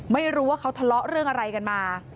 ไม่รู้ว่าเขาทะเลาะเรื่องอะไรกันมา